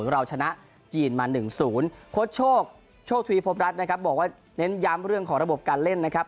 เราชนะจีนมา๑๐โค้ชโชคโชคทวีพบรัฐนะครับบอกว่าเน้นย้ำเรื่องของระบบการเล่นนะครับ